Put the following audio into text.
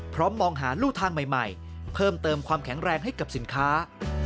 มองหารู่ทางใหม่เพิ่มเติมความแข็งแรงให้กับสินค้า